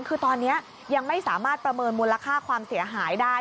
คือตอนนี้ยังไม่สามารถประเมินมูลค่าความเสียหายได้